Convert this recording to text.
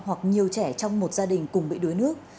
hoặc nhiều trẻ trong một gia đình cùng bị đuối nước